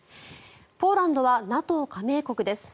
ポーランドはＮＡＴＯ加盟国です。